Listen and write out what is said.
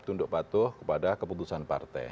tunduk patuh kepada keputusan partai